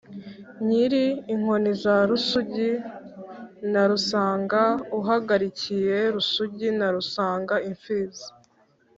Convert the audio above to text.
nyiri inkoni za rusugi na rusanga: uhagarikiye rusugi na rusanga (imfizi